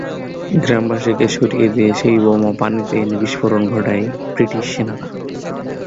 গ্রামবাসীকে সরিয়ে দিয়ে সেই বোমা পানিতে এনে বিস্ফোরণ ঘটায় ব্রিটিশ সেনারা।